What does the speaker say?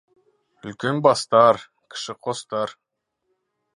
Үлкен бастар, кіші қостар.